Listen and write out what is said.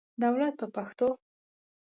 دولت په پښتو.